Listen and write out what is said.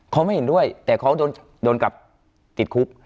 เขาไม่เห็นด้วยแต่เขาโดนกลับติดคุก